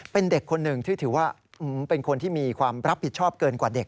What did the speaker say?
เป็นเด็กคนหนึ่งที่ถือว่าเป็นคนที่มีความรับผิดชอบเกินกว่าเด็ก